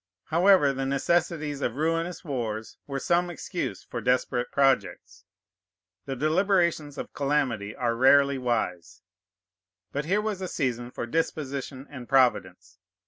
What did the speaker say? However, the necessities of ruinous wars were some excuse for desperate projects. The deliberations of calamity are rarely wise. But here was a season for disposition and providence.